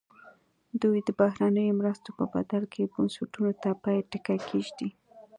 دوی د بهرنیو مرستو په بدل کې بنسټونو ته پای ټکی کېږدي.